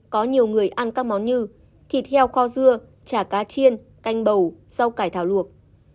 có nhiều người ăn các món như thịt heo kho dưa chả cá chiên canh bầu rau cải thảo luộc